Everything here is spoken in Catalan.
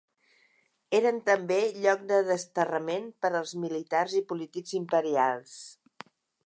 Eren també lloc de desterrament per als militars i polítics imperials.